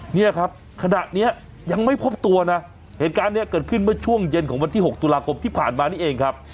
เนี่ยครับขณะนี้ยังไม่พบตัวนะเหตุการณ์นี้เกิดขึ้นเมื่อช่วงเย็นของวันที่๖ตุลาคมที่ผ่านมานี่เองครับ